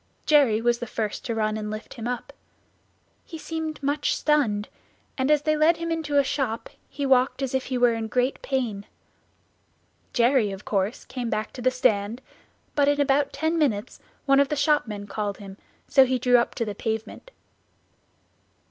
Jerry was the first to run and lift him up. He seemed much stunned, and as they led him into a shop he walked as if he were in great pain. Jerry of course came back to the stand, but in about ten minutes one of the shopmen called him, so we drew up to the pavement.